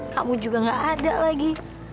kamu juga gak ada lagi